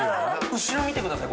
後ろ見てください